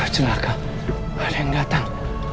celaka ada yang datang